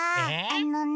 あのね。